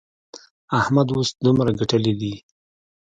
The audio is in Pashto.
احمد اوس دومره ګټلې دي.